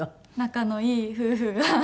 仲のいい夫婦が。